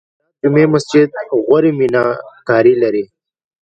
د هرات جمعې مسجد غوري میناکاري لري